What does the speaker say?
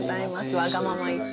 わがまま言って。